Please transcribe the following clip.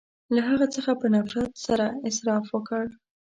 • له هغه څخه په نفرت سره انصراف وکړ.